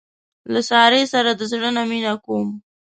له سارې سره د زړه نه مینه کوم.